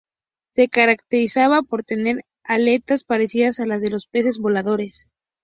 Se caracterizaba por tener aletas parecidas a las de los peces voladores.